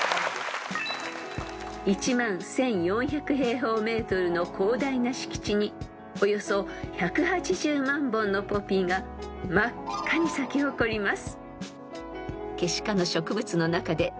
［１万１，４００平方ｍの広大な敷地におよそ１８０万本のポピーが真っ赤に咲き誇ります］